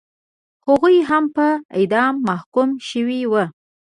هغوی هم په اعدام محکوم شوي وو.